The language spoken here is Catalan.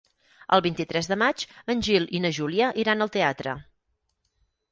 El vint-i-tres de maig en Gil i na Júlia iran al teatre.